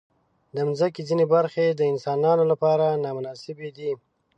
د مځکې ځینې برخې د انسانانو لپاره نامناسبې دي.